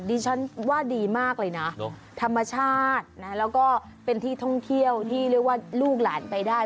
ดิฉันว่าดีมากเลยนะธรรมชาตินะแล้วก็เป็นที่ท่องเที่ยวที่เรียกว่าลูกหลานไปได้